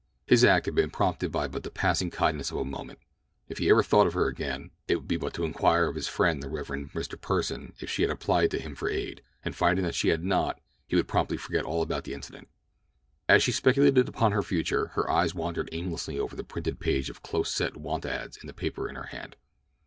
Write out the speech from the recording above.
His act had been prompted by but the passing kindness of a moment. If he ever thought of her again, it would be but to inquire of his friend the Rev. Mr. Pursen if she had applied to him for aid, and finding that she had not, he would promptly forget all about the incident. As she speculated upon her future, her eyes wandered aimlessly over the printed page of close set want ads in the paper in her hand.